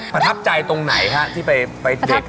พัทับใจตรงไหนค่ะที่ไปเดทกัน